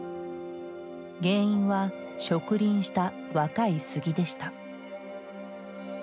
原因は植林した若い杉でした。